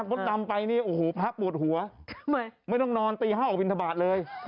มดดำไปนี่โอ้โหพระปวดหัวไม่ต้องนอนตี๕ออกบินทบาทเลย